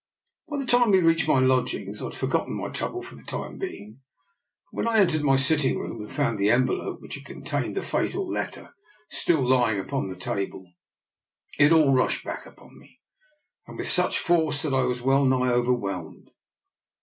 By the time we reached my lodgings I had forgotten my trouble for the time being, but when I en tered my sitting room and found the envelope which had contained the fatal letter still lying upon the table, it all rushed back upon me, and with such force that I was well nigh over whelmed.